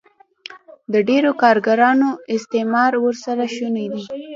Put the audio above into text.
د ډېرو کارګرانو استثمار ورسره شونی دی